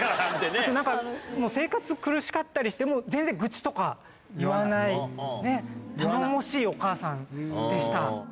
あと、生活が苦しかったりとかしても、全然愚痴とか言わない、頼もしいお母さんでした。